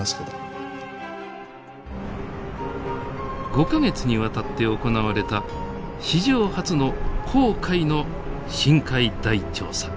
５か月にわたって行われた史上初の紅海の深海大調査。